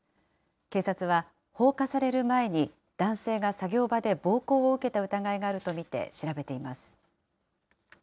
警察は、放火される前に、男性が作業場で暴行を受けた疑いがあると見て調べています。